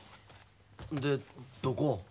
でどこ？